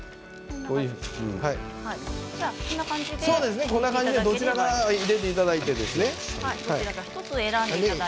こんな感じで、どちらか入れていただいてですね。